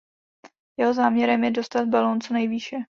Jeho záměrem je dostat balón co nejvýše.